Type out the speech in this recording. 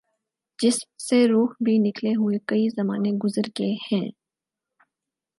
جسم سے روح بھی نکلےہوئے کئی زمانے گزر گے ہیں